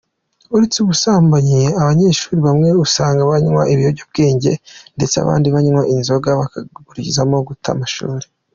Uretse ubusambanyi abanyeshuri bamwe usanga banywa ibiyobyabwenge ndetse abandi banywa inzoga bagakurizamo guta amashuri.